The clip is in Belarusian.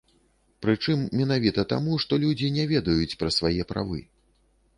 Прычым менавіта таму, што людзі не ведаюць пра свае правы.